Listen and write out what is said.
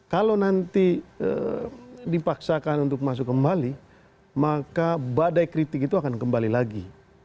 kalau nanti dipaksakan untuk masuk kembali maka badai kritik itu akan kembali lagi